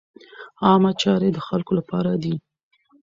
عامه چارې د خلکو له پاره دي.